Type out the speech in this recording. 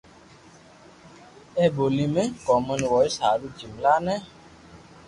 اي بوني ۾ ڪومن وائس ھارون جملا بي